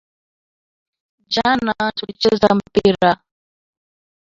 Jana tulicheza mpira .